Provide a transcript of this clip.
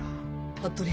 服部